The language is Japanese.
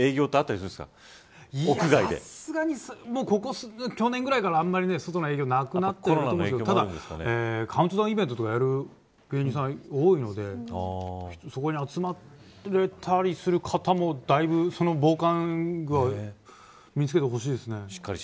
さすがにここ去年ぐらいからあまり外の営業はなくなってるんですけどただカウントダウンイベントとかある芸人さん多いのでそこに集まったりする方もだいぶ防寒具は身に着けてほしいですね。